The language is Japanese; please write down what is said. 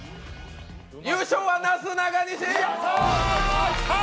優勝はなすなかにし！